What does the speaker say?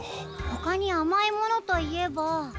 ほかにあまいものといえば。